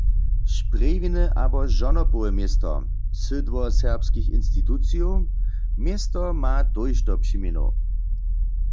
Sprjewine abo žonopowe město, sydło serbskich institucijow – město ma tójšto přimjenow.